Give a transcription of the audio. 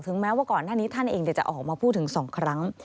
แม้ว่าก่อนหน้านี้ท่านเองจะออกมาพูดถึง๒ครั้ง